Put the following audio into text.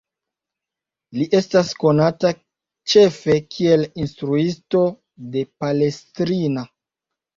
Li estas konata ĉefe kiel instruisto de Palestrina.